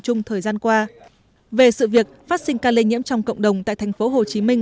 trung thời gian qua về sự việc phát sinh ca lây nhiễm trong cộng đồng tại thành phố hồ chí minh